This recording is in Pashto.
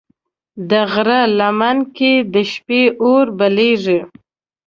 د غره لمن کې د شپې اور بلېږي.